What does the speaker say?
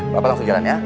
pa langsung jalan ya